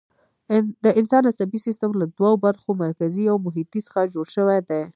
د انسان عصبي سیستم له دوو برخو، مرکزي او محیطي څخه جوړ شوی دی.